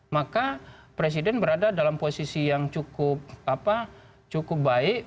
maka presiden berada dalam posisi yang cukup baik